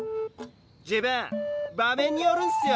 ジブン場面によるんすよ。